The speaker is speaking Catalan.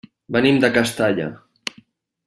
Venim de Castalla.